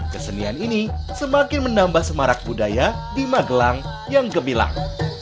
kesenian ini semakin menambah semarak budaya di magelang yang gemilang